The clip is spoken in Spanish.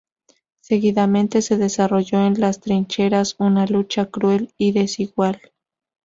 Seguidamente se desarrolló en las trincheras una lucha cruel y desigual.